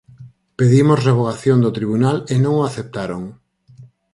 Pedimos revogación do tribunal e non o aceptaron.